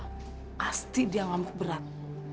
pasti dia ngamuk berat